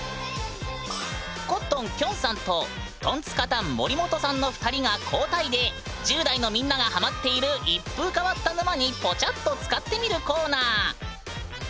コットンきょんさんとトンツカタン森本さんの２人が交代で１０代のみんながハマっている一風変わった沼にポチャッとつかってみるコーナー！